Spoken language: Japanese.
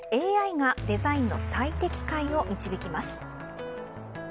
ＡＩがデザインの最適解を導きます。